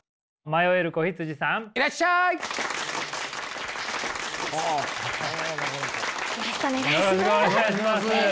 よろしくお願いします。